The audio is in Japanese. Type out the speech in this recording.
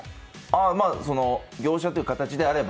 業者という形であれば。